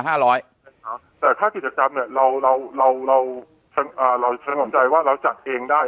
แต่ค่ากิจกรรมเนี่ยเราชั้นหวังใจว่าเราจัดเองได้